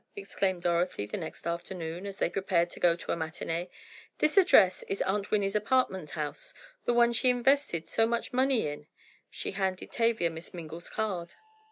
exclaimed Dorothy, the next afternoon, as they prepared to go to a matinee, "this address is Aunt Winnie's apartment house—the one she invested so much money in." She handed Tavia Miss Mingle's card.